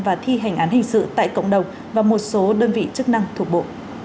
và thi hành án hình sự tại cộng đồng và một số đơn vị chức năng thuộc bộ